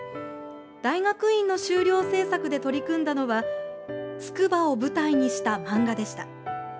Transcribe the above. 大学院の修了制作で取り組んだのはつくばを舞台にした漫画でした。